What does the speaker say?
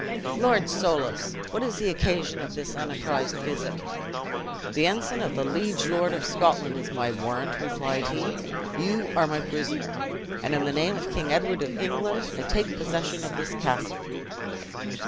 "Lord Soulis! what is the occasion of this unapprised visit?" "The ensign of the liege lord of Scotland is my warrant!" replied he; "you are my prisoner; and in the name of King Edward of England, I take possession of this castle."